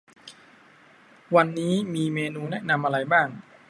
วันนี้มีเมนูแนะนำอะไรบ้าง